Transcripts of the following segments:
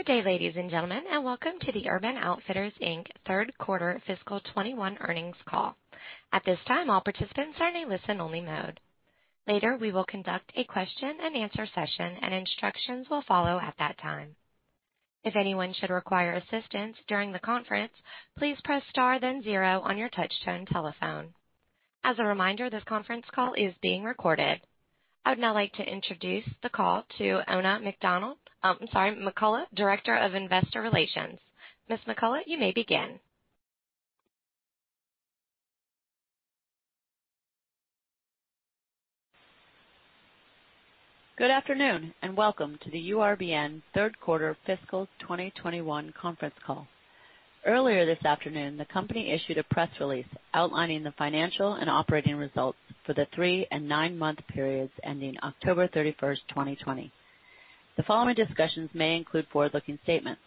Good day, ladies and gentlemen, and welcome to the Urban Outfitters, Inc. Third Quarter Fiscal 2021 Earnings Call. At this time, all participants are in a listen-only mode. Later, we will conduct a question and answer session, and instructions will follow at that time. If anyone should require assistance during the conference, please press star then zero on your touch-tone telephone. As a reminder, this conference call is being recorded. I would now like to introduce the call to Oona McCullough, Director of Investor Relations. Ms. McCullough, you may begin. Good afternoon, welcome to the URBN Third Quarter Fiscal 2021 Conference Call. Earlier this afternoon, the company issued a press release outlining the financial and operating results for the three and nine-month periods ending October 31st, 2020. The following discussions may include forward-looking statements.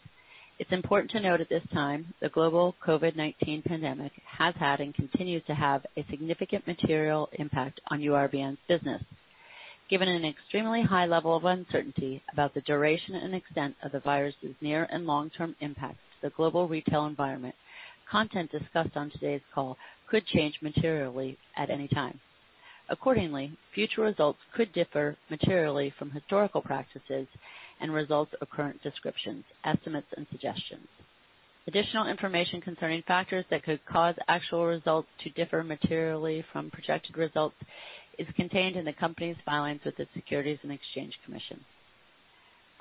It's important to note at this time, the global COVID-19 pandemic has had and continues to have a significant material impact on URBN's business. Given an extremely high level of uncertainty about the duration and extent of the virus's near and long-term impact to the global retail environment, content discussed on today's call could change materially at any time. Accordingly, future results could differ materially from historical practices and results of current descriptions, estimates, and suggestions. Additional information concerning factors that could cause actual results to differ materially from projected results is contained in the company's filings with the Securities and Exchange Commission.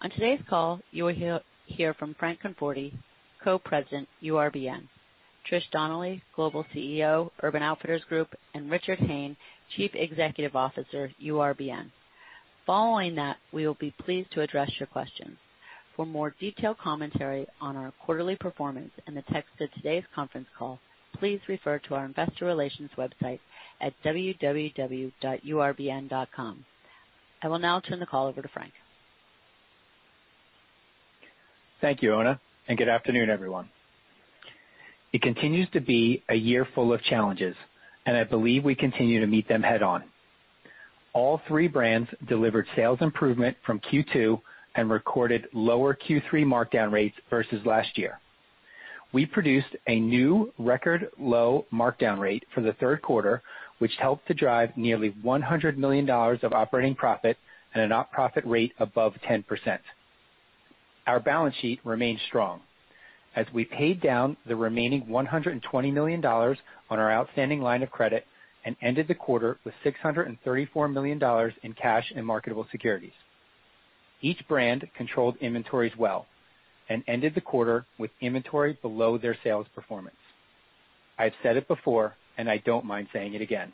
On today's call, you will hear from Frank Conforti, Co-President, URBN, Trish Donnelly, Global CEO, Urban Outfitters Group, and Richard Hayne, Chief Executive Officer, URBN. Following that, we will be pleased to address your questions. For more detailed commentary on our quarterly performance and the text of today's conference call, please refer to our investor relations website at www.urbn.com. I will now turn the call over to Frank. Thank you, Oona, good afternoon, everyone. It continues to be a year full of challenges, and I believe we continue to meet them head-on. All three brands delivered sales improvement from Q2 and recorded lower Q3 markdown rates versus last year. We produced a new record low markdown rate for the third quarter, which helped to drive nearly $100 million of operating profit and an op profit rate above 10%. Our balance sheet remains strong as we paid down the remaining $120 million on our outstanding line of credit and ended the quarter with $634 million in cash and marketable securities. Each brand controlled inventories well and ended the quarter with inventory below their sales performance. I've said it before, and I don't mind saying it again.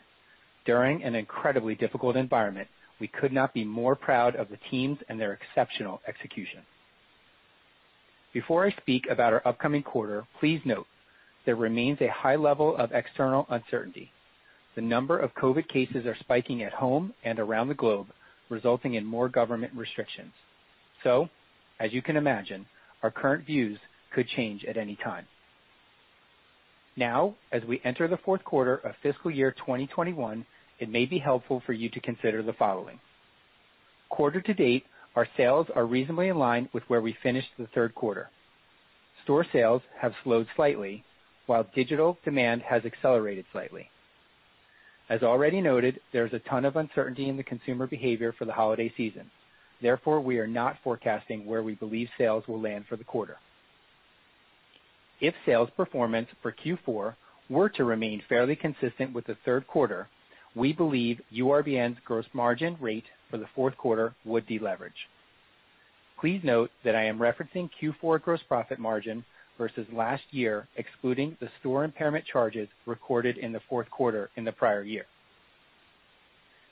During an incredibly difficult environment, we could not be more proud of the teams and their exceptional execution. Before I speak about our upcoming quarter, please note, there remains a high level of external uncertainty. The number of COVID cases are spiking at home and around the globe, resulting in more government restrictions. As you can imagine, our current views could change at any time. Now, as we enter the fourth quarter of fiscal year 2021, it may be helpful for you to consider the following. Quarter to date, our sales are reasonably in line with where we finished the third quarter. Store sales have slowed slightly, while digital demand has accelerated slightly. As already noted, there's a ton of uncertainty in the consumer behavior for the holiday season. Therefore, we are not forecasting where we believe sales will land for the quarter. If sales performance for Q4 were to remain fairly consistent with the third quarter, we believe URBN's gross margin rate for the fourth quarter would deleverage. Please note that I am referencing Q4 gross profit margin versus last year, excluding the store impairment charges recorded in the fourth quarter in the prior year.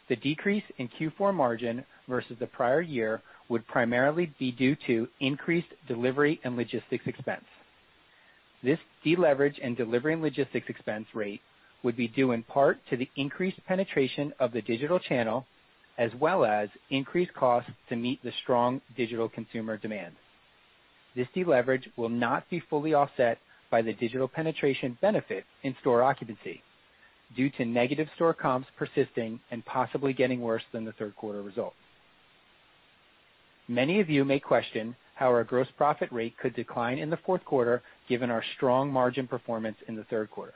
The decrease in Q4 margin versus the prior year would primarily be due to increased delivery and logistics expense. This deleverage in delivery and logistics expense rate would be due in part to the increased penetration of the digital channel, as well as increased costs to meet the strong digital consumer demand. This deleverage will not be fully offset by the digital penetration benefit in store occupancy due to negative store comps persisting and possibly getting worse than the third quarter results. Many of you may question how our gross profit rate could decline in the fourth quarter given our strong margin performance in the third quarter.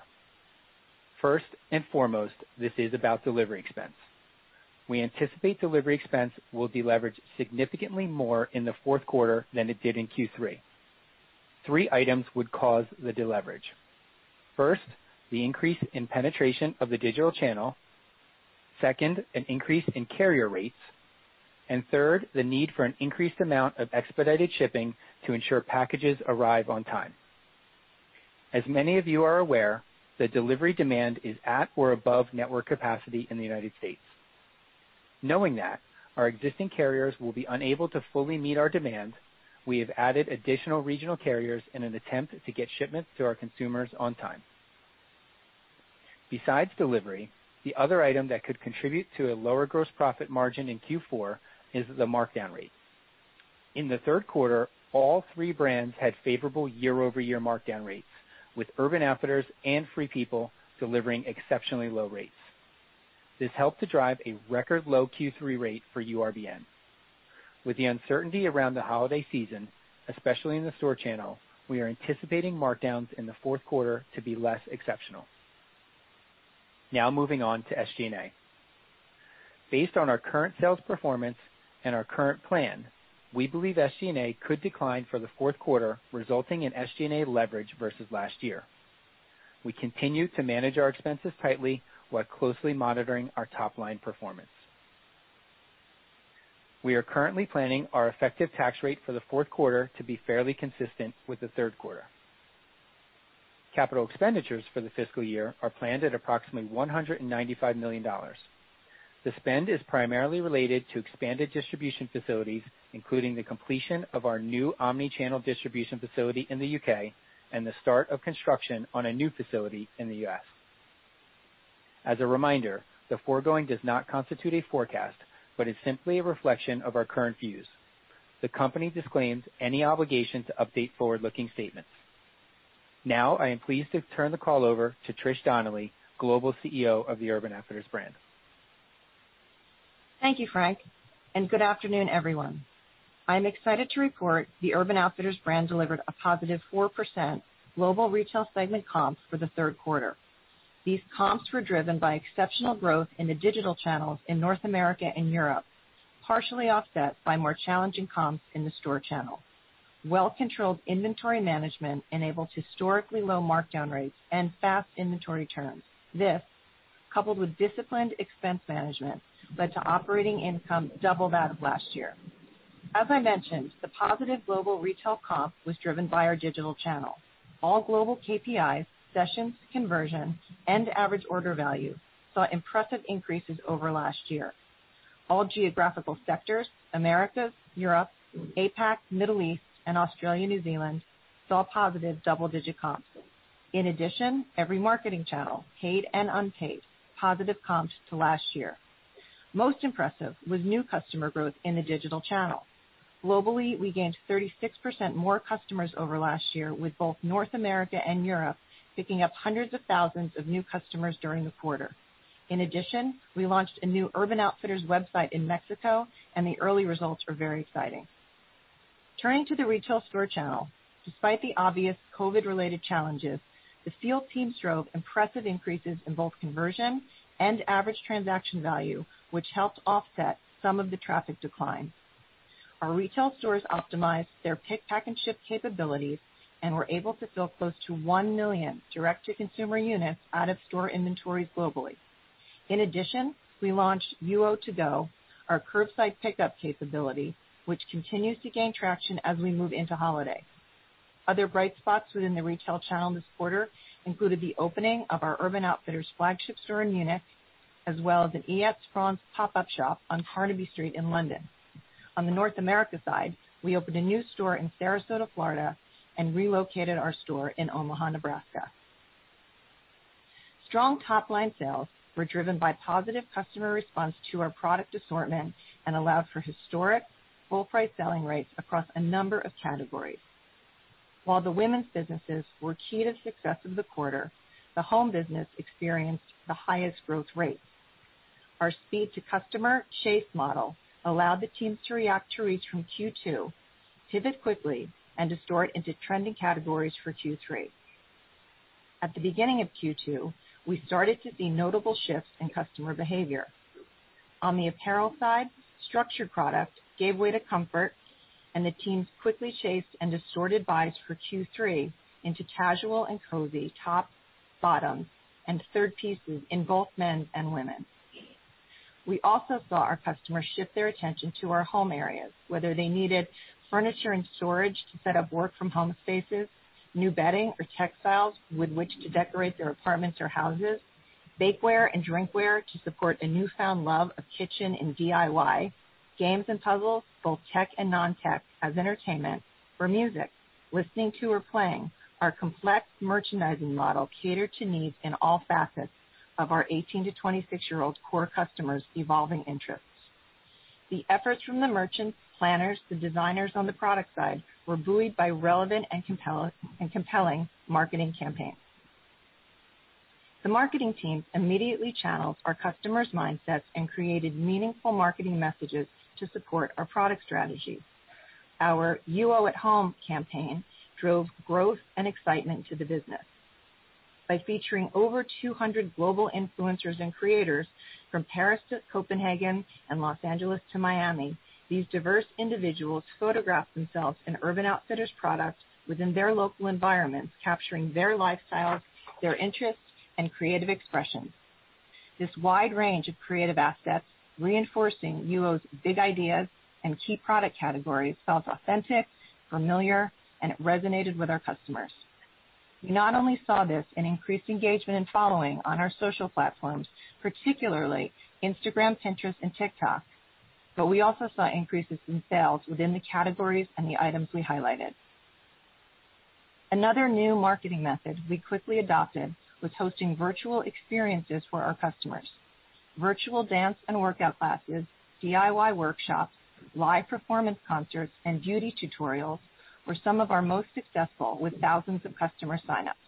This is about delivery expense. We anticipate delivery expense will deleverage significantly more in the fourth quarter than it did in Q3. Three items would cause the deleverage. First, the increase in penetration of the digital channel. Second, an increase in carrier rates. Third, the need for an increased amount of expedited shipping to ensure packages arrive on time. As many of you are aware, the delivery demand is at or above network capacity in the U.S. Knowing that our existing carriers will be unable to fully meet our demands, we have added additional regional carriers in an attempt to get shipments to our consumers on time. Besides delivery, the other item that could contribute to a lower gross profit margin in Q4 is the markdown rate. In the third quarter, all three brands had favorable year-over-year markdown rates, with Urban Outfitters and Free People delivering exceptionally low rates. This helped to drive a record low Q3 rate for URBN. With the uncertainty around the holiday season, especially in the store channel, we are anticipating markdowns in the fourth quarter to be less exceptional. Moving on to SG&A. Based on our current sales performance and our current plan, we believe SG&A could decline for the fourth quarter, resulting in SG&A leverage versus last year. We continue to manage our expenses tightly while closely monitoring our top-line performance. We are currently planning our effective tax rate for the fourth quarter to be fairly consistent with the third quarter. Capital expenditures for the fiscal year are planned at approximately $195 million. The spend is primarily related to expanded distribution facilities, including the completion of our new omni-channel distribution facility in the U.K. and the start of construction on a new facility in the U.S. As a reminder, the foregoing does not constitute a forecast, but is simply a reflection of our current views. The company disclaims any obligation to update forward-looking statements. Now, I am pleased to turn the call over to Trish Donnelly, Global CEO of the Urban Outfitters brand. Thank you, Frank, and good afternoon, everyone. I'm excited to report the Urban Outfitters brand delivered a positive 4% global retail segment comps for the third quarter. These comps were driven by exceptional growth in the digital channels in North America and Europe, partially offset by more challenging comps in the store channel. Well-controlled inventory management enabled historically low markdown rates and fast inventory turns. This, coupled with disciplined expense management, led to operating income double that of last year. As I mentioned, the positive global retail comp was driven by our digital channel. All global KPIs, sessions, conversion, and average order value, saw impressive increases over last year. All geographical sectors: Americas, Europe, APAC, Middle East, and Australia/New Zealand, saw positive double-digit comps. In addition, every marketing channel, paid and unpaid, positive comps to last year. Most impressive was new customer growth in the digital channel. Globally, we gained 36% more customers over last year, with both North America and Europe picking up hundreds of thousands of new customers during the quarter. In addition, we launched a new Urban Outfitters website in Mexico, and the early results are very exciting. Turning to the retail store channel, despite the obvious COVID-19-related challenges, the field teams drove impressive increases in both conversion and average transaction value, which helped offset some of the traffic decline. Our retail stores optimized their pick, pack, and ship capabilities and were able to fill close to one million direct-to-consumer units out of store inventories globally. In addition, we launched UO To Go, our curbside pickup capability, which continues to gain traction as we move into holiday. Other bright spots within the retail channel this quarter included the opening of our Urban Outfitters flagship store in Munich, as well as an iets frans pop-up shop on Carnaby Street in London. On the North America side, we opened a new store in Sarasota, Florida, and relocated our store in Omaha, Nebraska. Strong top-line sales were driven by positive customer response to our product assortment and allowed for historic full-price selling rates across a number of categories. While the women's businesses were key to the success of the quarter, the home business experienced the highest growth rates. Our speed to customer chase model allowed the teams to react to reads from Q2, pivot quickly, and to sort into trending categories for Q3. At the beginning of Q2, we started to see notable shifts in customer behavior. On the apparel side, structured product gave way to comfort, and the teams quickly chased and assorted buys for Q3 into casual and cozy tops, bottoms, and third pieces in both men's and women's. We also saw our customers shift their attention to our home areas, whether they needed furniture and storage to set up work from home spaces, new bedding or textiles with which to decorate their apartments or houses, bakeware and drinkware to support a newfound love of kitchen and DIY, games and puzzles, both tech and non-tech, as entertainment, or music, listening to or playing. Our complex merchandising model catered to needs in all facets of our 18-26-year-old core customers' evolving interests. The efforts from the merchants, planners, the designers on the product side were buoyed by relevant and compelling marketing campaigns. The marketing teams immediately channeled our customers' mindsets and created meaningful marketing messages to support our product strategy. Our UO Home campaign drove growth and excitement to the business. By featuring over 200 global influencers and creators from Paris to Copenhagen and Los Angeles to Miami, these diverse individuals photographed themselves in Urban Outfitters products within their local environments, capturing their lifestyle, their interests, and creative expression. This wide range of creative assets, reinforcing UO's big ideas and key product categories, felt authentic, familiar, and it resonated with our customers. We not only saw this in increased engagement and following on our social platforms, particularly Instagram, Pinterest, and TikTok, but we also saw increases in sales within the categories and the items we highlighted. Another new marketing method we quickly adopted was hosting virtual experiences for our customers. Virtual dance and workout classes, DIY workshops, live performance concerts, and beauty tutorials were some of our most successful, with thousands of customer sign-ups.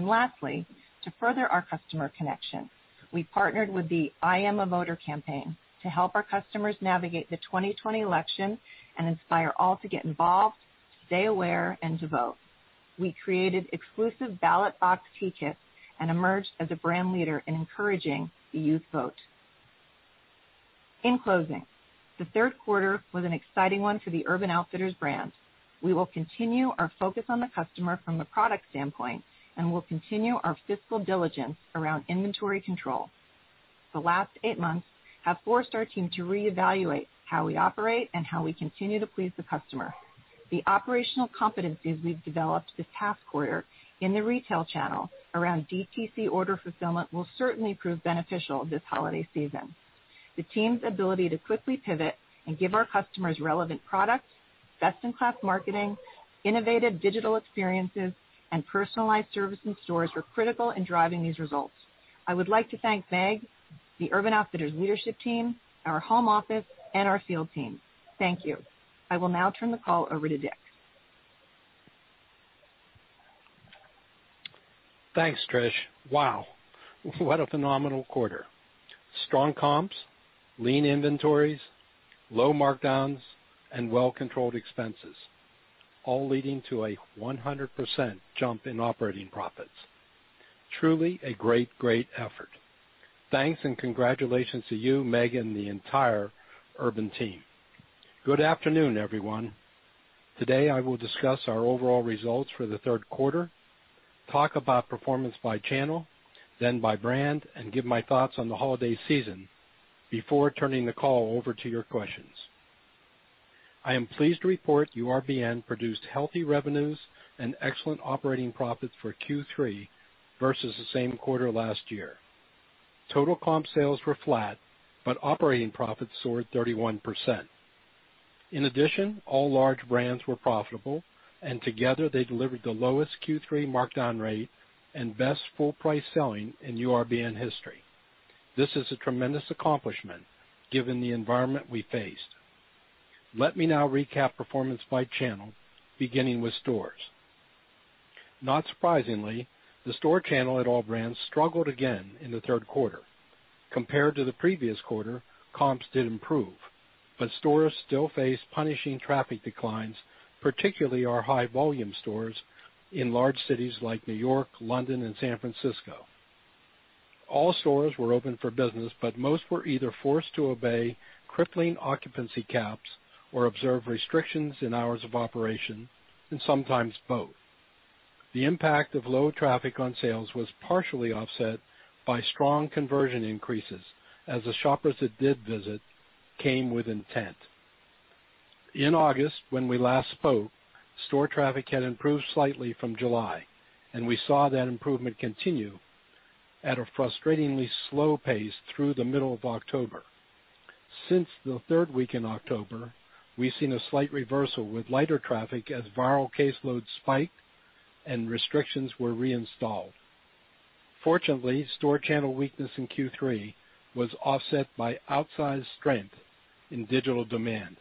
Lastly, to further our customer connection, we partnered with the I am a voter. campaign to help our customers navigate the 2020 election and inspire all to get involved, stay aware, and to vote. We created exclusive ballot box tee kits and emerged as a brand leader in encouraging the youth vote. In closing, the third quarter was an exciting one for the Urban Outfitters brand. We will continue our focus on the customer from a product standpoint, and we'll continue our fiscal diligence around inventory control. The last eight months have forced our team to reevaluate how we operate and how we continue to please the customer. The operational competencies we've developed this past quarter in the retail channel around DTC order fulfillment will certainly prove beneficial this holiday season. The team's ability to quickly pivot and give our customers relevant products, best-in-class marketing, innovative digital experiences, and personalized service in stores were critical in driving these results. I would like to thank Meg, the Urban Outfitters leadership team, our home office, and our field team. Thank you. I will now turn the call over to Dick. Thanks, Trish. Wow, what a phenomenal quarter. Strong comps, lean inventories, low markdowns, and well-controlled expenses, all leading to a 100% jump in operating profits. Truly a great effort. Thanks and congratulations to you, Megan, the entire Urban team. Good afternoon, everyone. Today, I will discuss our overall results for the third quarter, talk about performance by channel, then by brand, and give my thoughts on the holiday season before turning the call over to your questions. I am pleased to report URBN produced healthy revenues and excellent operating profits for Q3 versus the same quarter last year. Total comp sales were flat, but operating profits soared 31%. In addition, all large brands were profitable, and together they delivered the lowest Q3 markdown rate and best full price selling in URBN history. This is a tremendous accomplishment given the environment we faced. Let me now recap performance by channel, beginning with stores. Not surprisingly, the store channel at all brands struggled again in the third quarter. Compared to the previous quarter, comps did improve, but stores still face punishing traffic declines, particularly our high-volume stores in large cities like New York, London, and San Francisco. All stores were open for business, but most were either forced to obey crippling occupancy caps or observe restrictions in hours of operation, and sometimes both. The impact of low traffic on sales was partially offset by strong conversion increases as the shoppers that did visit came with intent. In August, when we last spoke, store traffic had improved slightly from July, and we saw that improvement continue at a frustratingly slow pace through the middle of October. Since the third week in October, we've seen a slight reversal with lighter traffic as viral caseloads spiked and restrictions were reinstalled. Fortunately, store channel weakness in Q3 was offset by outsized strength in digital demand.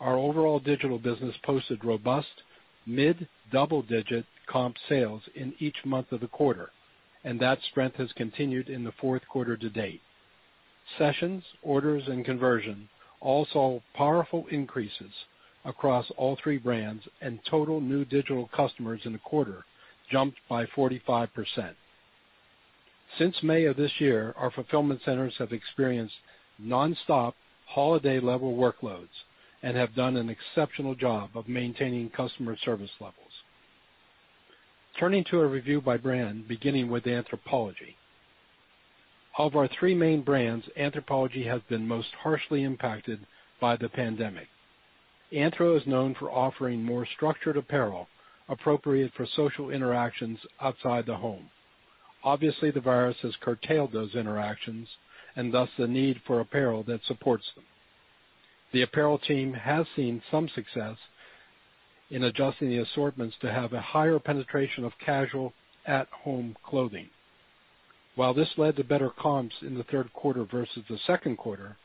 Our overall digital business posted robust mid-double-digit comp sales in each month of the quarter, and that strength has continued in the fourth quarter to date. Sessions, orders, and conversion all saw powerful increases across all three brands, and total new digital customers in the quarter jumped by 45%. Since May of this year, our fulfillment centers have experienced nonstop holiday-level workloads and have done an exceptional job of maintaining customer service levels. Turning to a review by brand, beginning with Anthropologie. Of our three main brands, Anthropologie has been most harshly impacted by the pandemic. Anthro is known for offering more structured apparel appropriate for social interactions outside the home. Obviously, the virus has curtailed those interactions and thus the need for apparel that supports them. The apparel team has seen some success in adjusting the assortments to have a higher penetration of casual at-home clothing. While this led to better comps in the third quarter versus the second quarter,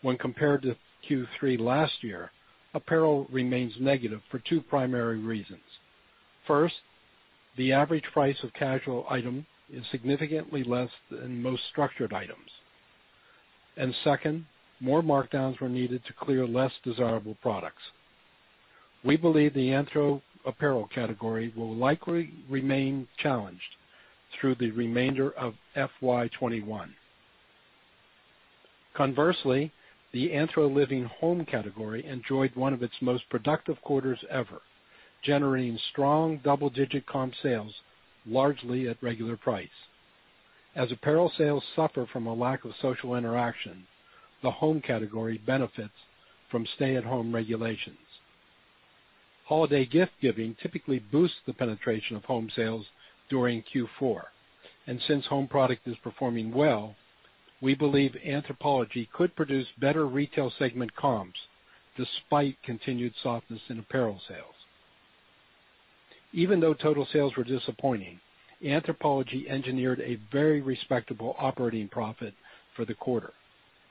when compared to Q3 last year, apparel remains negative for two primary reasons. First, the average price of casual item is significantly less than most structured items. Second, more markdowns were needed to clear less desirable products. We believe the Anthro apparel category will likely remain challenged through the remainder of FY 2021. Conversely, the AnthroLiving home category enjoyed one of its most productive quarters ever, generating strong double-digit comp sales largely at regular price. As apparel sales suffer from a lack of social interaction, the home category benefits from stay-at-home regulations. Holiday gift-giving typically boosts the penetration of home sales during Q4. Since home product is performing well, we believe Anthropologie could produce better retail segment comps despite continued softness in apparel sales. Even though total sales were disappointing, Anthropologie engineered a very respectable operating profit for the quarter,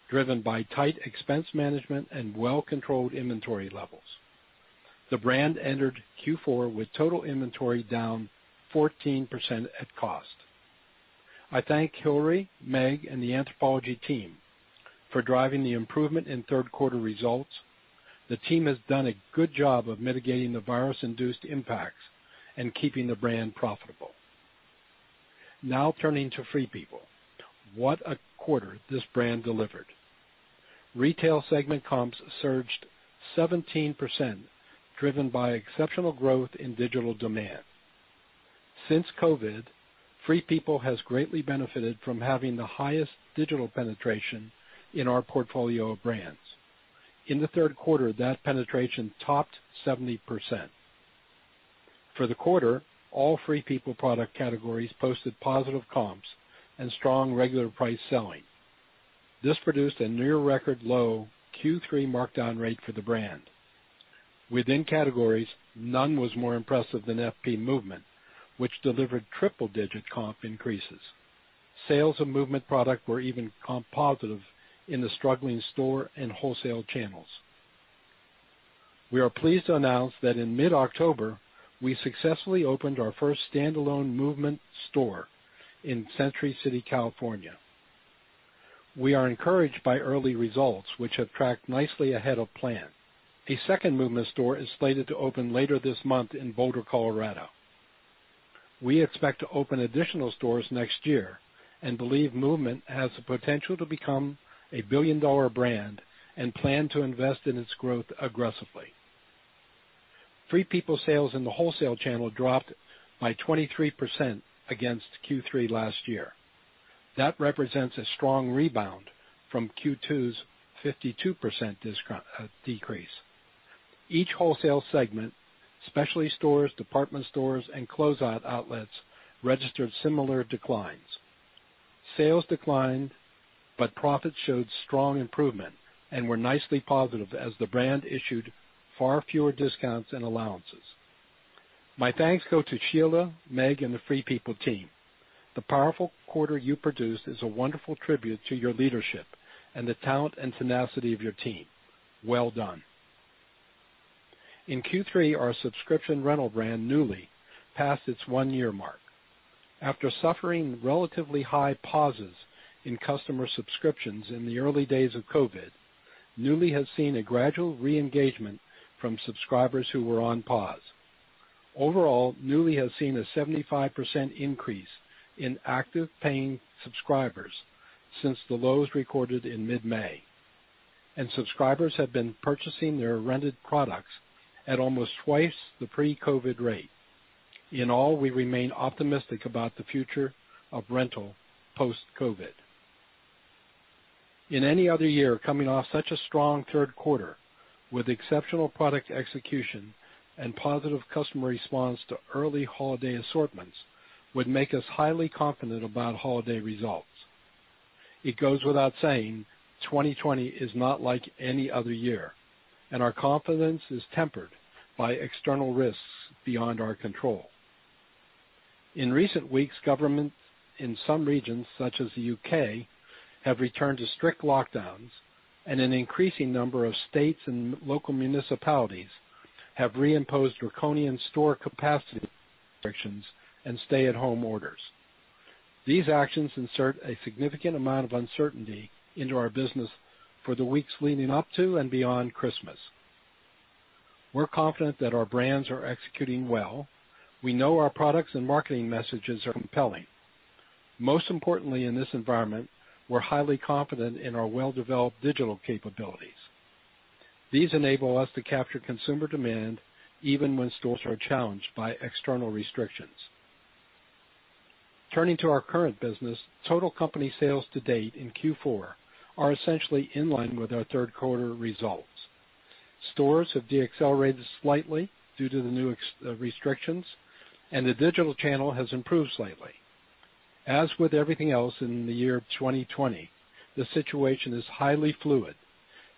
driven by tight expense management and well-controlled inventory levels. The brand entered Q4 with total inventory down 14% at cost. I thank Hillary, Meg, and the Anthropologie team for driving the improvement in third quarter results. The team has done a good job of mitigating the virus-induced impacts and keeping the brand profitable. Turning to Free People. What a quarter this brand delivered. Retail segment comps surged 17%, driven by exceptional growth in digital demand. Since COVID, Free People has greatly benefited from having the highest digital penetration in our portfolio of brands. In the third quarter, that penetration topped 70%. For the quarter, all Free People product categories posted positive comps and strong regular price selling. This produced a near record low Q3 markdown rate for the brand. Within categories, none was more impressive than FP Movement, which delivered triple digit comp increases. Sales of Movement product were even comp positive in the struggling store and wholesale channels. We are pleased to announce that in mid-October, we successfully opened our first standalone Movement store in Century City, California. We are encouraged by early results, which have tracked nicely ahead of plan. A second Movement store is slated to open later this month in Boulder, Colorado. We expect to open additional stores next year and believe Movement has the potential to become a billion-dollar brand and plan to invest in its growth aggressively. Free People sales in the wholesale channel dropped by 23% against Q3 last year. That represents a strong rebound from Q2's 52% decrease. Each wholesale segment, specialty stores, department stores, and closeout outlets, registered similar declines. Sales declined, but profits showed strong improvement and were nicely positive as the brand issued far fewer discounts and allowances. My thanks go to Sheila, Meg, and the Free People team. The powerful quarter you produced is a wonderful tribute to your leadership and the talent and tenacity of your team. Well done. In Q3, our subscription rental brand, Nuuly, passed its one-year mark. After suffering relatively high pauses in customer subscriptions in the early days of COVID, Nuuly has seen a gradual re-engagement from subscribers who were on pause. Overall, Nuuly has seen a 75% increase in active paying subscribers since the lows recorded in mid-May, and subscribers have been purchasing their rented products at almost twice the pre-COVID rate. In all, we remain optimistic about the future of rental post-COVID. In any other year, coming off such a strong third quarter with exceptional product execution and positive customer response to early holiday assortments would make us highly confident about holiday results. It goes without saying, 2020 is not like any other year, and our confidence is tempered by external risks beyond our control. In recent weeks, governments in some regions, such as the U.K., have returned to strict lockdowns, and an increasing number of states and local municipalities have reimposed draconian store capacity restrictions and stay-at-home orders. These actions insert a significant amount of uncertainty into our business for the weeks leading up to and beyond Christmas. We're confident that our brands are executing well. We know our products and marketing messages are compelling. Most importantly in this environment, we're highly confident in our well-developed digital capabilities. These enable us to capture consumer demand even when stores are challenged by external restrictions. Turning to our current business, total company sales to date in Q4 are essentially in line with our third quarter results. Stores have decelerated slightly due to the new restrictions, and the digital channel has improved slightly. As with everything else in the year of 2020, the situation is highly fluid,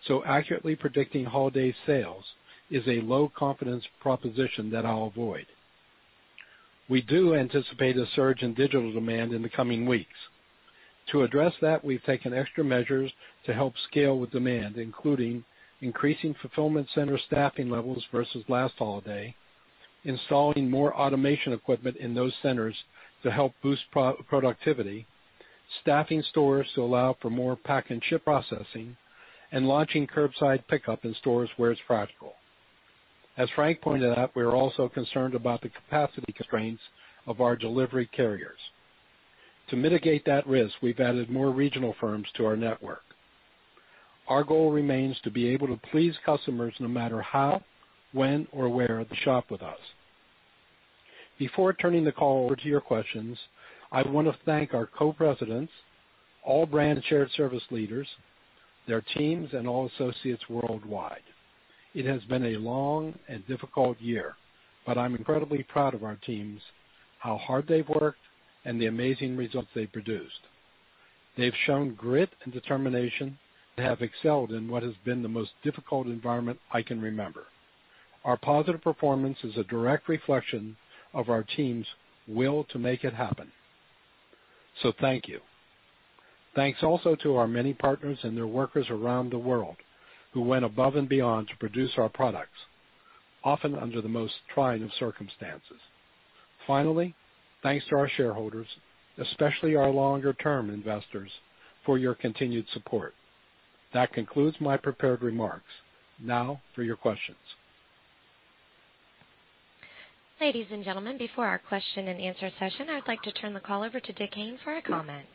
so accurately predicting holiday sales is a low-confidence proposition that I'll avoid. We do anticipate a surge in digital demand in the coming weeks. To address that, we've taken extra measures to help scale with demand, including increasing fulfillment center staffing levels versus last holiday, installing more automation equipment in those centers to help boost productivity, staffing stores to allow for more pack and ship processing, and launching curbside pickup in stores where it's practical. As Frank pointed out, we are also concerned about the capacity constraints of our delivery carriers. To mitigate that risk, we've added more regional firms to our network. Our goal remains to be able to please customers no matter how, when, or where they shop with us. Before turning the call over to your questions, I want to thank our Co-Presidents, all brand shared service leaders, their teams, and all associates worldwide. It has been a long and difficult year, but I'm incredibly proud of our teams, how hard they've worked, and the amazing results they've produced. They've shown grit and determination and have excelled in what has been the most difficult environment I can remember. Our positive performance is a direct reflection of our team's will to make it happen. Thank you. Thanks also to our many partners and their workers around the world who went above and beyond to produce our products, often under the most trying of circumstances. Finally, thanks to our shareholders, especially our longer-term investors, for your continued support. That concludes my prepared remarks. Now for your questions. Ladies and gentlemen, before our question and answer session, I'd like to turn the call over to Dick Hayne for a comment.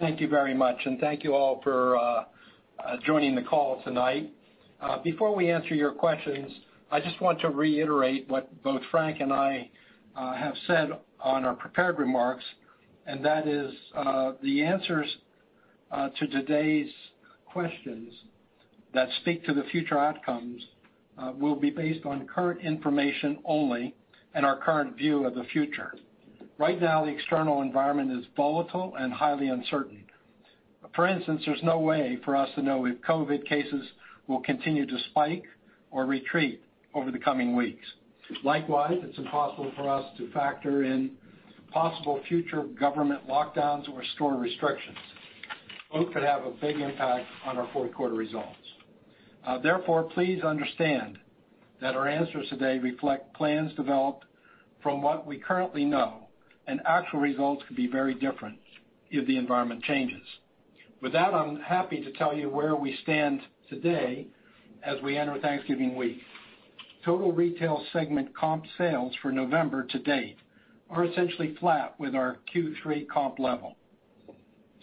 Thank you very much, and thank you all for joining the call tonight. Before we answer your questions, I just want to reiterate what both Frank and I have said on our prepared remarks, and that is, the answers to today's questions that speak to the future outcomes will be based on current information only and our current view of the future. Right now, the external environment is volatile and highly uncertain. For instance, there's no way for us to know if COVID cases will continue to spike or retreat over the coming weeks. Likewise, it's impossible for us to factor in possible future government lockdowns or store restrictions. Both could have a big impact on our fourth quarter results. Therefore, please understand that our answers today reflect plans developed from what we currently know, and actual results could be very different if the environment changes. With that, I'm happy to tell you where we stand today as we enter Thanksgiving week. Total Retail segment comp sales for November to date are essentially flat with our Q3 comp level.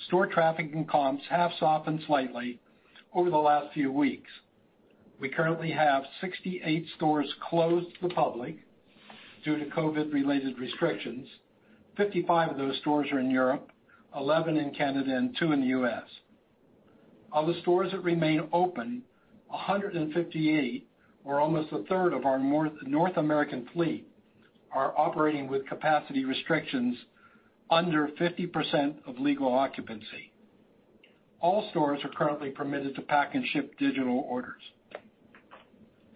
Store traffic and comps have softened slightly over the last few weeks. We currently have 68 stores closed to the public due to COVID-related restrictions. 55 of those stores are in Europe, 11 in Canada, and two in the U.S. Of the stores that remain open, 158, or almost a third of our North American fleet, are operating with capacity restrictions under 50% of legal occupancy. All stores are currently permitted to pack and ship digital orders.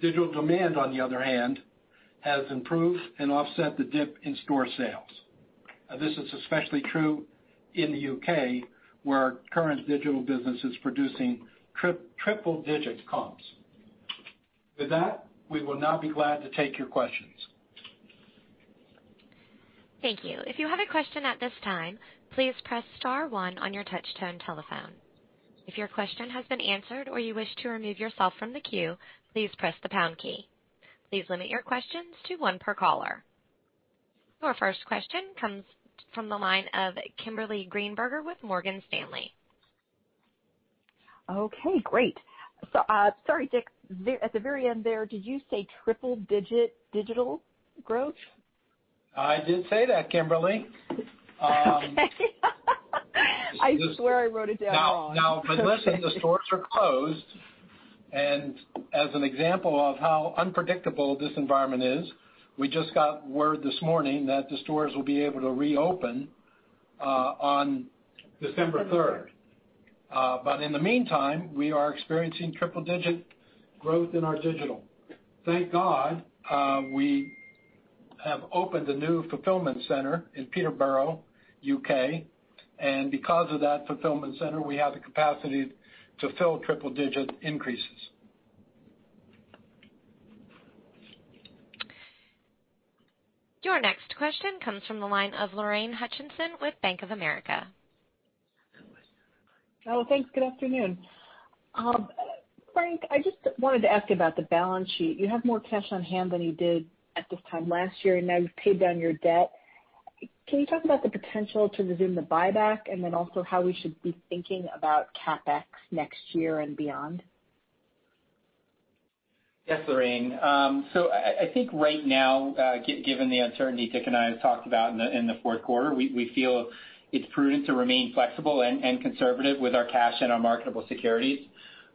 Digital demand, on the other hand, has improved and offset the dip in store sales. This is especially true in the U.K., where our current digital business is producing triple-digit comps. With that, we will now be glad to take your questions. Thank you. If you have a question at this time, please press star one on your touch-tone telephone. If your question has been answered or you wish to remove yourself from the queue, please press the pound key. Please limit your questions to one per caller. Our first question comes from the line of Kimberly Greenberger with Morgan Stanley. Okay, great. Sorry, Dick. At the very end there, did you say triple-digit digital growth? I did say that, Kimberly. Okay. I swear I wrote it down wrong. Now, listen, the stores are closed, and as an example of how unpredictable this environment is, we just got word this morning that the stores will be able to reopen on December 3rd. In the meantime, we are experiencing triple-digit growth in our digital. Thank God we have opened a new fulfillment center in Peterborough, U.K., because of that fulfillment center, we have the capacity to fill triple-digit increases. Your next question comes from the line of Lorraine Hutchinson with Bank of America. Oh, thanks. Good afternoon. Frank, I just wanted to ask you about the balance sheet. You have more cash on hand than you did at this time last year, and now you've paid down your debt. Can you talk about the potential to resume the buyback and then also how we should be thinking about CapEx next year and beyond? Yes, Lorraine. I think right now, given the uncertainty Dick and I have talked about in the fourth quarter, we feel it's prudent to remain flexible and conservative with our cash and our marketable securities.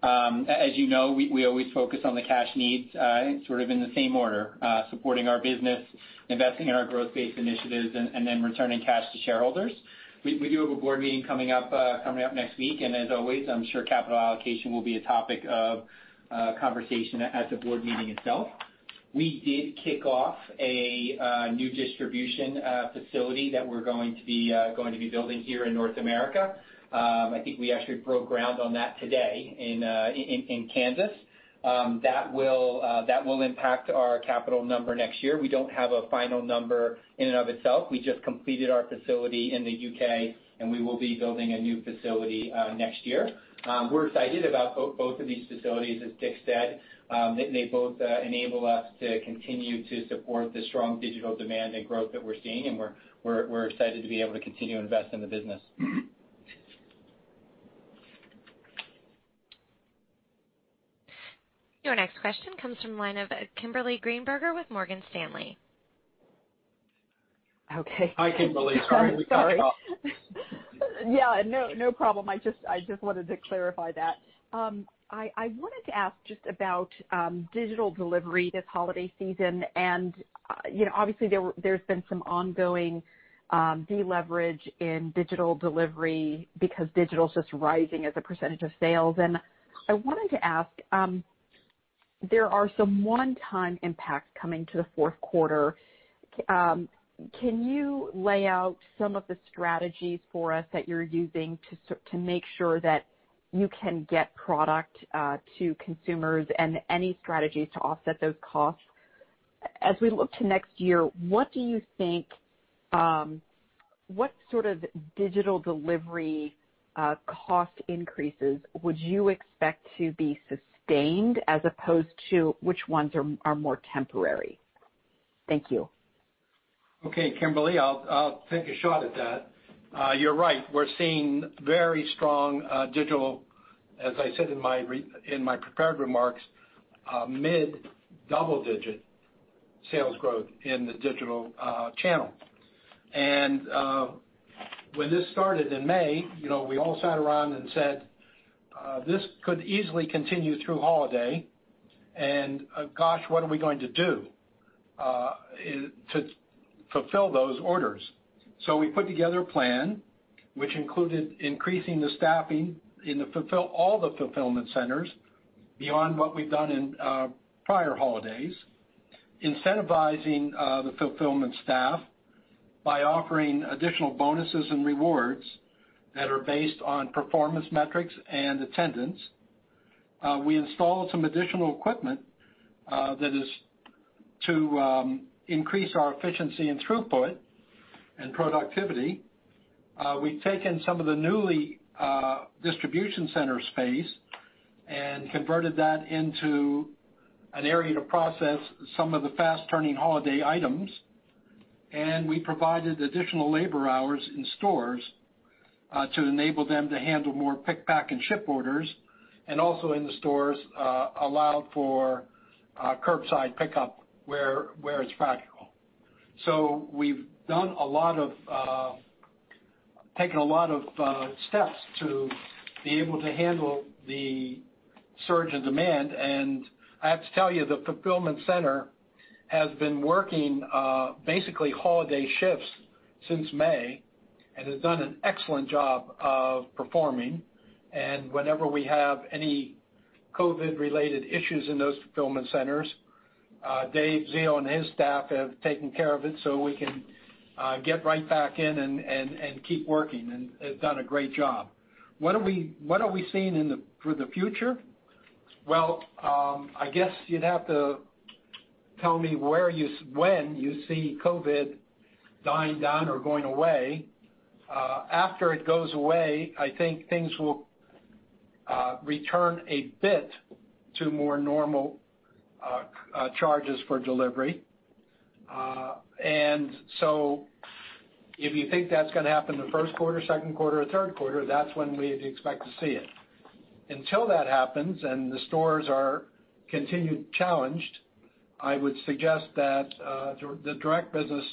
As you know, we always focus on the cash needs sort of in the same order, supporting our business, investing in our growth-based initiatives, and then returning cash to shareholders. We do have a board meeting coming up next week, and as always, I'm sure capital allocation will be a topic of conversation at the board meeting itself. We did kick off a new distribution facility that we're going to be building here in North America. I think we actually broke ground on that today in Kansas. That will impact our capital number next year. We don't have a final number in and of itself. We just completed our facility in the U.K. We will be building a new facility next year. We're excited about both of these facilities, as Dick said. They both enable us to continue to support the strong digital demand and growth that we're seeing, and we're excited to be able to continue to invest in the business. Your next question comes from the line of Kimberly Greenberger with Morgan Stanley. Okay. Hi, Kimberly. Sorry, we got caught. Sorry. Yeah, no problem. I just wanted to clarify that. I wanted to ask just about digital delivery this holiday season, and obviously, there's been some ongoing de-leverage in digital delivery because digital's just rising as a percentage of sales. I wanted to ask. There are some one-time impacts coming to the fourth quarter. Can you lay out some of the strategies for us that you're using to make sure that you can get product to consumers and any strategies to offset those costs? As we look to next year, what sort of digital delivery cost increases would you expect to be sustained as opposed to which ones are more temporary? Thank you. Kimberly, I'll take a shot at that. You're right, we're seeing very strong digital, as I said in my prepared remarks, mid double-digit sales growth in the digital channel. When this started in May, we all sat around and said, "This could easily continue through holiday and, gosh, what are we going to do to fulfill those orders?" We put together a plan, which included increasing the staffing in all the fulfillment centers beyond what we've done in prior holidays, incentivizing the fulfillment staff by offering additional bonuses and rewards that are based on performance metrics and attendance. We installed some additional equipment to increase our efficiency and throughput and productivity. We've taken some of the Nuuly distribution center space and converted that into an area to process some of the fast turning holiday items. We provided additional labor hours in stores to enable them to handle more pick, pack, and ship orders, and also in the stores allowed for curbside pickup where it's practical. We've taken a lot of steps to be able to handle the surge in demand, and I have to tell you, the fulfillment center has been working basically holiday shifts since May and has done an excellent job of performing. Whenever we have any COVID related issues in those fulfillment centers, David Ziel and his staff have taken care of it so we can get right back in and keep working and have done a great job. What are we seeing for the future? I guess you'd have to tell me when you see COVID dying down or going away. After it goes away, I think things will return a bit to more normal charges for delivery. If you think that's going to happen the first quarter, second quarter, or third quarter, that's when we'd expect to see it. Until that happens and the stores are continued challenged, I would suggest that the direct business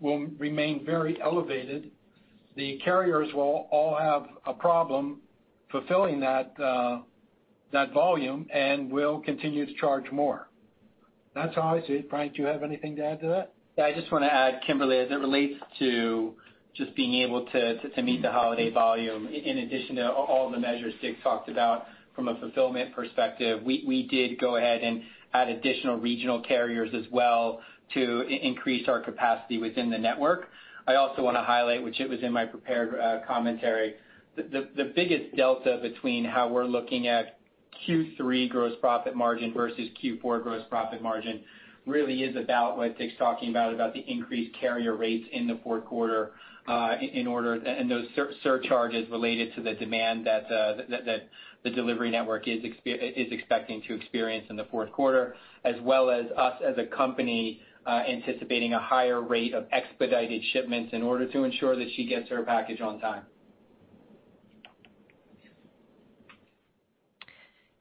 will remain very elevated. The carriers will all have a problem fulfilling that volume and will continue to charge more. That's how I see it. Frank, do you have anything to add to that? I just want to add, Kimberly, as it relates to just being able to meet the holiday volume, in addition to all the measures Dick talked about from a fulfillment perspective, we did go ahead and add additional regional carriers as well to increase our capacity within the network. I also want to highlight, which it was in my prepared commentary, the biggest delta between how we're looking at Q3 gross profit margin versus Q4 gross profit margin really is about what Dick's talking about the increased carrier rates in the fourth quarter, and those surcharges related to the demand that the delivery network is expecting to experience in the fourth quarter, as well as us as a company anticipating a higher rate of expedited shipments in order to ensure that she gets her package on time.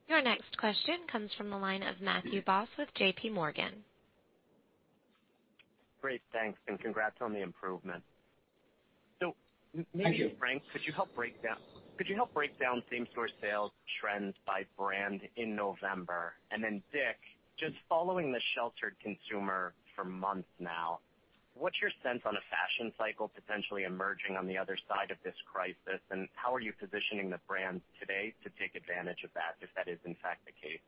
Your next question comes from the line of Matthew Boss with J.P. Morgan. Great. Thanks and congrats on the improvement. Maybe, Frank, could you help break down same store sales trends by brand in November? Dick, just following the sheltered consumer for months now, what's your sense on a fashion cycle potentially emerging on the other side of this crisis, and how are you positioning the brands today to take advantage of that, if that is in fact the case?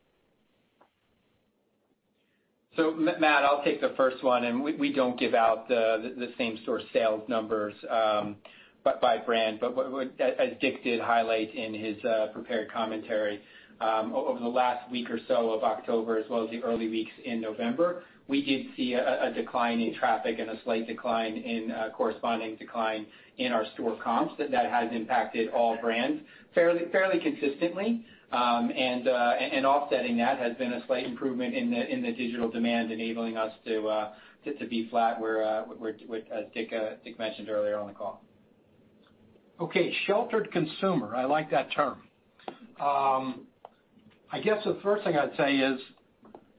Matt, I'll take the first one, and we don't give out the same store sales numbers by brand. What, as Dick did highlight in his prepared commentary, over the last week or so of October as well as the early weeks in November, we did see a decline in traffic and a slight decline in corresponding decline in our store comps that has impacted all brands fairly consistently. Offsetting that has been a slight improvement in the digital demand enabling us to be flat where Dick mentioned earlier on the call. Sheltered consumer, I like that term. I guess the first thing I'd say is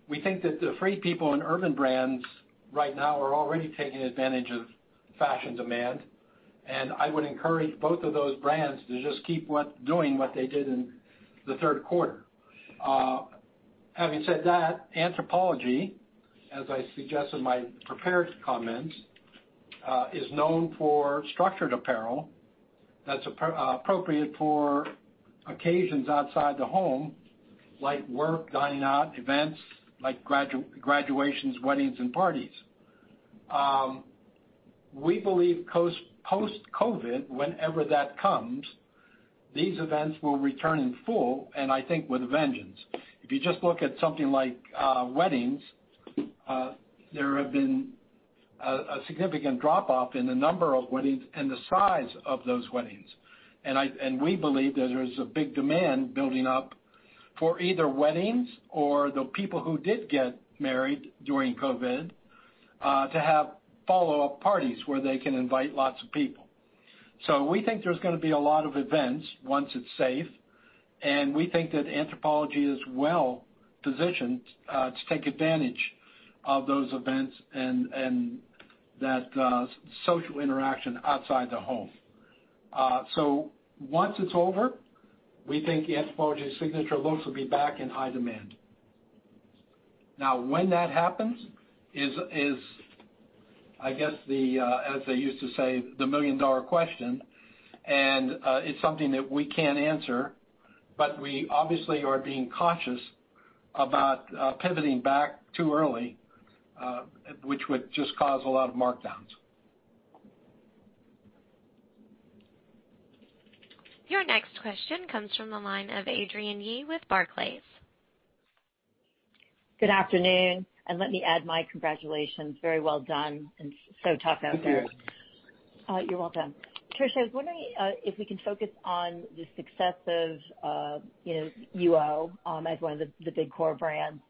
we think that the Free People and Urban brands right now are already taking advantage of fashion demand, and I would encourage both of those brands to just keep doing what they did in the third quarter. Having said that, Anthropologie, as I suggest in my prepared comments, is known for structured apparel that's appropriate for occasions outside the home, like work, dining out, events like graduations, weddings, and parties. We believe post-COVID, whenever that comes, these events will return in full, and I think with a vengeance. If you just look at something like weddings, there have been a significant drop-off in the number of weddings and the size of those weddings. We believe that there's a big demand building up for either weddings or the people who did get married during COVID to have follow-up parties where they can invite lots of people. We think there's going to be a lot of events once it's safe, and we think that Anthropologie is well positioned to take advantage of those events and that social interaction outside the home. Once it's over, we think Anthropologie's signature looks will be back in high demand. When that happens is, I guess the, as they used to say, the million-dollar question, and it's something that we can't answer, but we obviously are being cautious about pivoting back too early, which would just cause a lot of markdowns. Your next question comes from the line of Adrienne Yih with Barclays. Good afternoon. Let me add my congratulations. Very well done. Tough out there. Thank you. You're welcome. Trish, I was wondering if we can focus on the success of UO as one of the big core brands.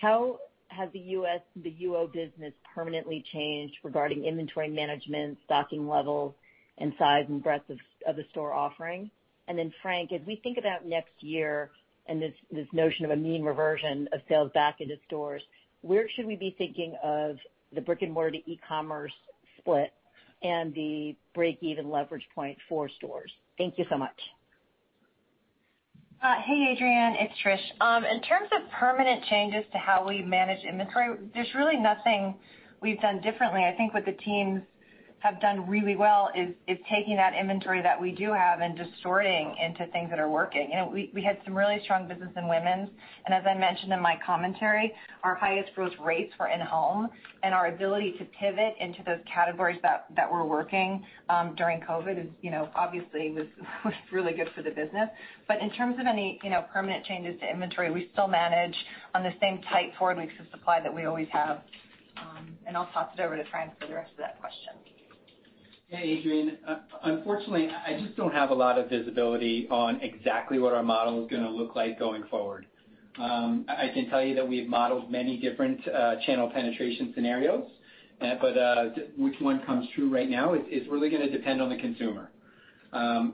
How has the UO business permanently changed regarding inventory management, stocking levels, and size and breadth of the store offering? Then, Frank, as we think about next year and this notion of a mean reversion of sales back into stores, where should we be thinking of the brick and mortar to e-commerce split and the break-even leverage point for stores? Thank you so much. Hey, Adrienne, it's Trish. In terms of permanent changes to how we manage inventory, there's really nothing we've done differently. I think what the teams have done really well is taking that inventory that we do have and just sorting into things that are working. We had some really strong business in women's, and as I mentioned in my commentary, our highest growth rates were in home, and our ability to pivot into those categories that were working during COVID, obviously was really good for the business. In terms of any permanent changes to inventory, we still manage on the same tight four weeks of supply that we always have. I'll toss it over to Frank for the rest of that question. Hey, Adrienne. Unfortunately, I just don't have a lot of visibility on exactly what our model is going to look like going forward. I can tell you that we've modeled many different channel penetration scenarios. Which one comes true right now is really gonna depend on the consumer.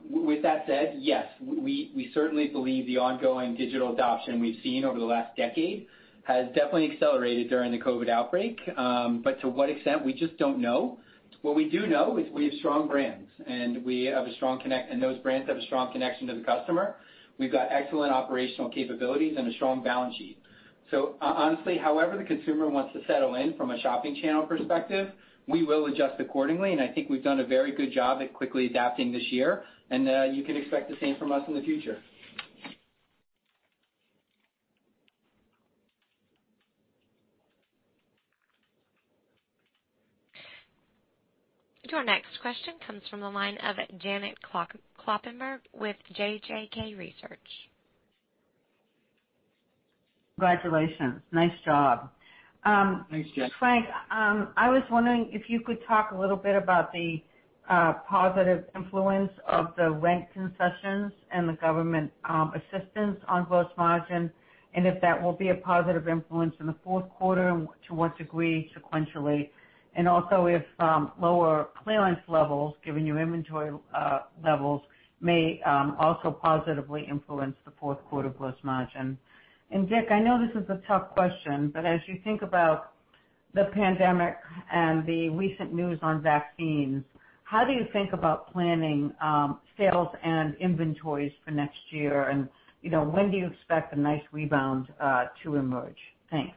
With that said, yes, we certainly believe the ongoing digital adoption we've seen over the last decade has definitely accelerated during the COVID-19, but to what extent, we just don't know. What we do know is we have strong brands, and those brands have a strong connection to the customer. We've got excellent operational capabilities and a strong balance sheet. Honestly, however the consumer wants to settle in from a shopping channel perspective, we will adjust accordingly, and I think we've done a very good job at quickly adapting this year, and you can expect the same from us in the future. Your next question comes from the line of Janet Kloppenburg with JJK Research. Congratulations. Nice job. Thanks, Janet. Frank, I was wondering if you could talk a little bit about the positive influence of the rent concessions and the government assistance on gross margin, and if that will be a positive influence in the fourth quarter, and to what degree sequentially. Also, if lower clearance levels, given your inventory levels, may also positively influence the fourth quarter gross margin. Dick, I know this is a tough question, but as you think about the pandemic and the recent news on vaccines, how do you think about planning sales and inventories for next year? When do you expect a nice rebound to emerge? Thanks.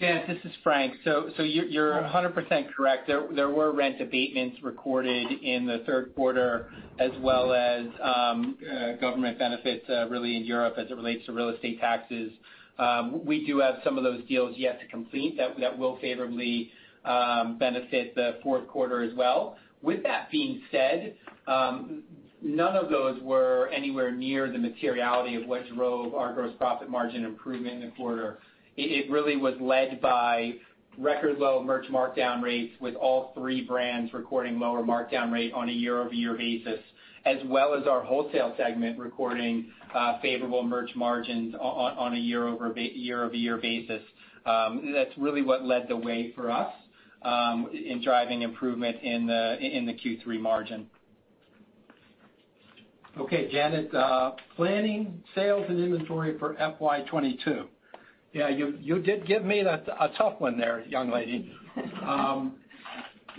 Janet, this is Frank. You're 100% correct. There were rent abatements recorded in the third quarter, as well as government benefits, really in Europe as it relates to real estate taxes. We do have some of those deals yet to complete that will favorably benefit the fourth quarter as well. With that being said, none of those were anywhere near the materiality of what drove our gross profit margin improvement in the quarter. It really was led by record low merch markdown rates, with all three brands recording lower markdown rate on a year-over-year basis, as well as our wholesale segment recording favorable merch margins on a year-over-year basis. That's really what led the way for us in driving improvement in the Q3 margin. Okay, Janet, planning sales and inventory for FY 2022. Yeah, you did give me a tough one there, young lady.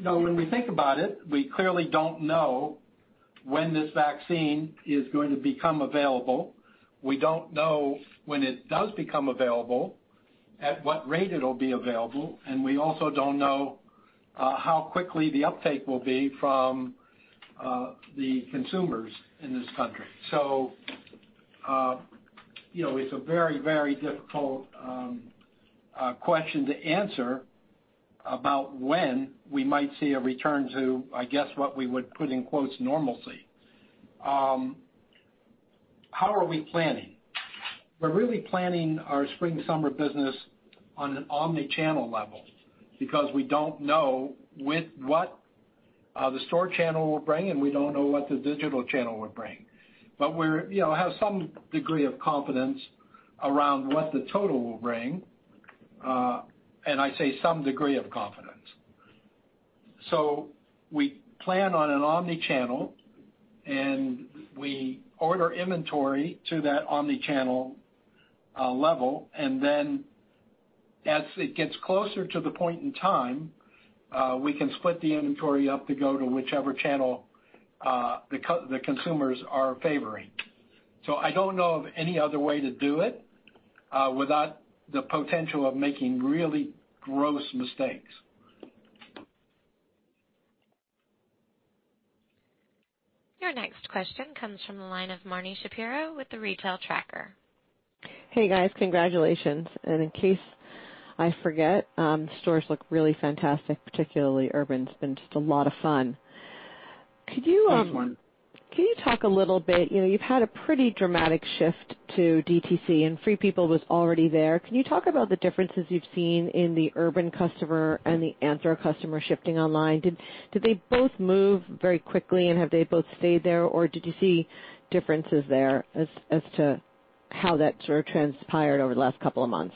When we think about it, we clearly don't know when this vaccine is going to become available. We don't know, when it does become available, at what rate it'll be available, and we also don't know how quickly the uptake will be from the consumers in this country. It's a very, very difficult question to answer about when we might see a return to, I guess, what we would put in quotes, normalcy. How are we planning? We're really planning our spring-summer business on an omni-channel level because we don't know what the store channel will bring, and we don't know what the digital channel will bring. We have some degree of confidence around what the total will bring. I say some degree of confidence. We plan on an omni-channel, and we order inventory to that omni-channel level, and then as it gets closer to the point in time, we can split the inventory up to go to whichever channel the consumers are favoring. I don't know of any other way to do it without the potential of making really gross mistakes. Your next question comes from the line of Marni Shapiro with The Retail Tracker. Hey, guys. Congratulations. In case I forget, the stores look really fantastic, particularly Urban. It's been just a lot of fun. Can you talk a little bit, you've had a pretty dramatic shift to DTC, and Free People was already there. Can you talk about the differences you've seen in the Urban customer and the Anthro customer shifting online? Did they both move very quickly, and have they both stayed there, or did you see differences there as to how that sort of transpired over the last couple of months?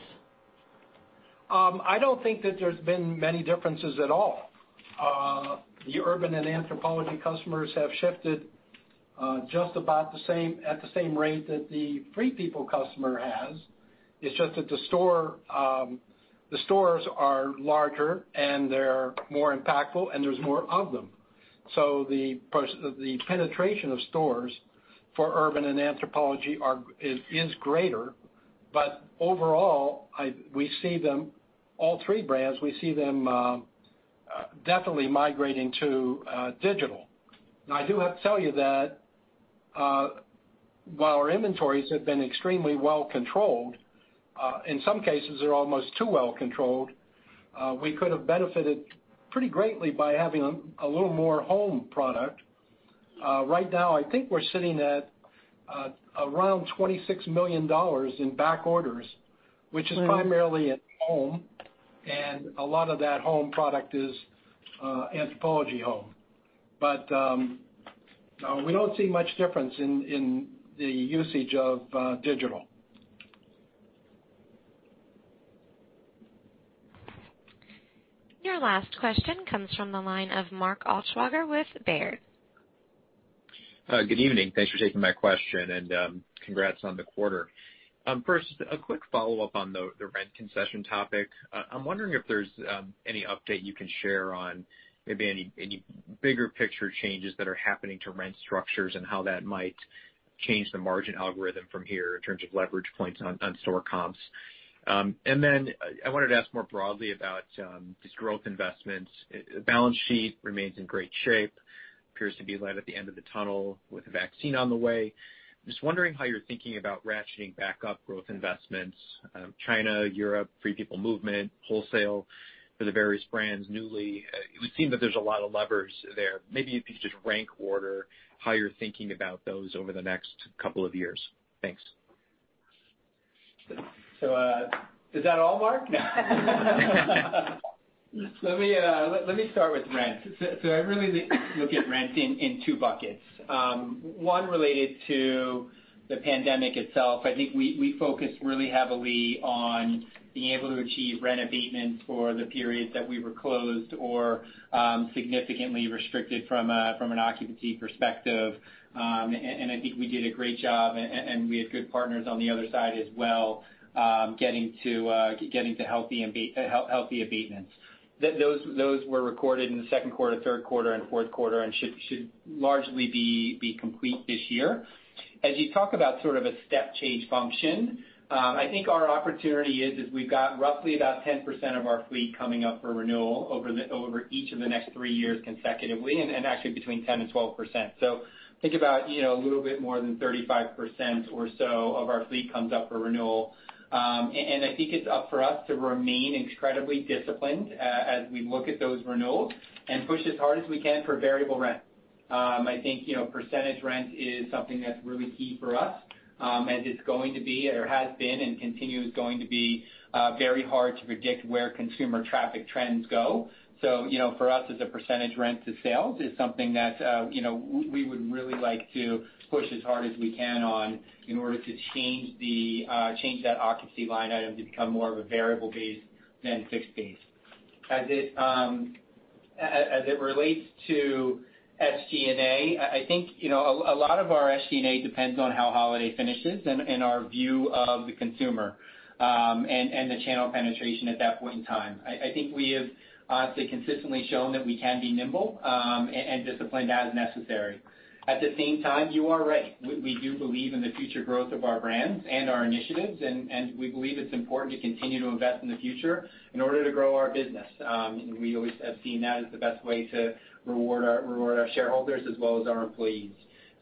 I don't think that there's been many differences at all. The Urban and Anthropologie customers have shifted just about at the same rate that the Free People customer has. It's just that the stores are larger, and they're more impactful, and there's more of them. The penetration of stores for Urban and Anthropologie is greater. Overall, all three brands, we see them definitely migrating to digital. Now, I do have to tell you that while our inventories have been extremely well controlled, in some cases, they're almost too well controlled. We could've benefited pretty greatly by having a little more home product. Right now, I think we're sitting at around $26 million in back orders, which is primarily in home, and a lot of that home product is Anthropologie home. We don't see much difference in the usage of digital. Your last question comes from the line of Mark Altschwager with Baird. Good evening. Thanks for taking my question, and congrats on the quarter. First, a quick follow-up on the rent concession topic. I'm wondering if there's any update you can share on maybe any bigger picture changes that are happening to rent structures and how that might change the margin algorithm from here in terms of leverage points on store comps. Then I wanted to ask more broadly about these growth investments. Balance sheet remains in great shape. Appears to be light at the end of the tunnel with a vaccine on the way. Just wondering how you're thinking about ratcheting back up growth investments. China, Europe, FP Movement, wholesale for the various brands, Nuuly. It would seem that there's a lot of levers there. Maybe if you could just rank order how you're thinking about those over the next couple of years. Thanks. Is that all, Mark? Let me start with rent. I really look at rent in two buckets. One related to the pandemic itself. I think we focused really heavily on being able to achieve rent abatements for the periods that we were closed or significantly restricted from an occupancy perspective. I think we did a great job, and we had good partners on the other side as well, getting to healthy abatements. Those were recorded in the second quarter, third quarter, and fourth quarter and should largely be complete this year. As you talk about sort of a step change function, I think our opportunity is, we've got roughly about 10% of our fleet coming up for renewal over each of the next three years consecutively, and actually between 10%-12%. Think about a little bit more than 35% or so of our fleet comes up for renewal. I think it's up for us to remain incredibly disciplined as we look at those renewals and push as hard as we can for variable rent. I think percentage rent is something that's really key for us. It's going to be, or has been and continues going to be very hard to predict where consumer traffic trends go. For us as a percentage rent to sales is something that we would really like to push as hard as we can on in order to change that occupancy line item to become more of a variable base than fixed base. As it relates to SG&A, I think, a lot of our SG&A depends on how holiday finishes and our view of the consumer, and the channel penetration at that point in time. I think we have honestly, consistently shown that we can be nimble and disciplined as necessary. At the same time, you are right. We do believe in the future growth of our brands and our initiatives, and we believe it's important to continue to invest in the future in order to grow our business. We always have seen that as the best way to reward our shareholders as well as our employees.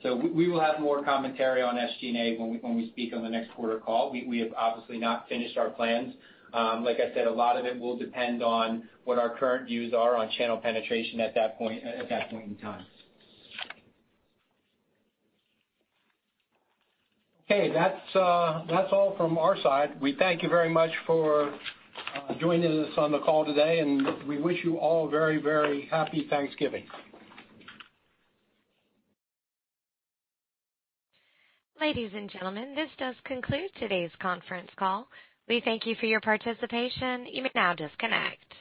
We will have more commentary on SG&A when we speak on the next quarter call. We have obviously not finished our plans. Like I said, a lot of it will depend on what our current views are on channel penetration at that point in time. Okay. That's all from our side. We thank you very much for joining us on the call today, and we wish you all very, very happy Thanksgiving. Ladies and gentlemen, this does conclude today's conference call. We thank you for your participation. You may now disconnect.